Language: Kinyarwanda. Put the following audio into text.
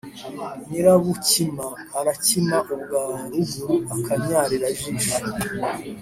Nyirabukima arakima ubwa ruguru-Akanyarirajisho.